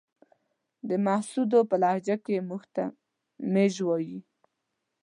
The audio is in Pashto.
د محسودو په لهجه کې موږ ته ميژ وايې.